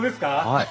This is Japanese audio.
はい。